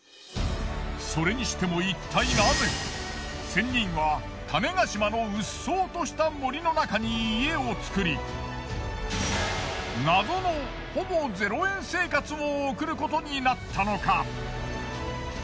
それにしてもいったいナゼ仙人は種子島のうっそうとした森の中に家を作り謎のほぼ０円生活を送ることになったのか？